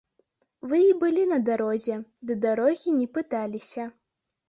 Вы і былі на дарозе, ды дарогі не пыталіся.